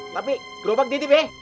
tapi gerobak di tv